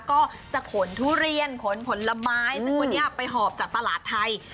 ก็จะขนทุเรียนขนผลไม้ซึ่งวันนี้ไปหอบจากตลาดไทย